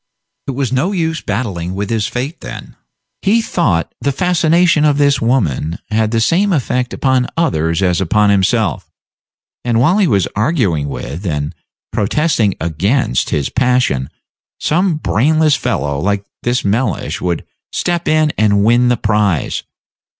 It was no use battling with his fate, then, he thought; the fascination of this woman had the same effect upon others as upon himself; and while he was arguing with, and protesting against, his passion, some brainless fellow, like this Mellish, would step in and win the prize.